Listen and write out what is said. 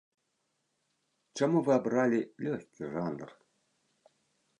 Чаму вы абралі лёгкі жанр?